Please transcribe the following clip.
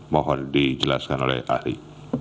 mohon dijelaskan oleh ahli